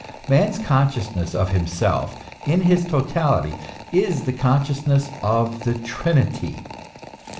Man's consciousness of himself in his totality is the consciousness of the Trinity.